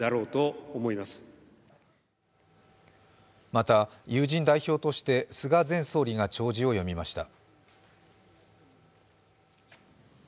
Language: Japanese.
また、友人代表として菅前総理が弔辞を読みました。